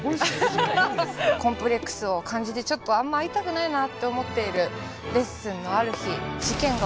コンプレックスを感じてちょっとあんま会いたくないなって思っているレッスンのある日事件が起きてしまいます。